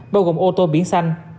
bao gồm ô tô biển xanh